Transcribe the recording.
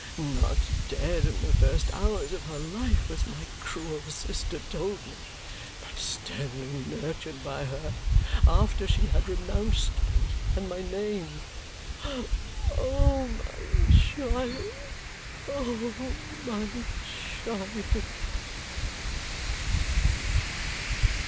Not dead in the first hours of her life, as my cruel sister told me, but sternly nurtured by her, after she had renounced me and my name! O my child, O my child!"